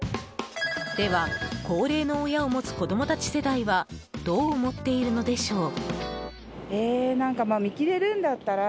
では、高齢の親を持つ子供たち世代はどう思っているのでしょう。